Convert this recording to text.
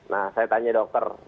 nah saya tanya dokter